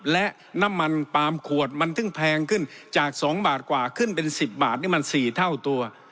และน้ำมันปาล์มขวดมันถึงแพงขึ้นจาก๒บาทกว่าขึ้นเป็น๑๐บาทนี่มัน๔เท่าตัว